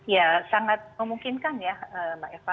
ya sangat memungkinkan ya mbak eva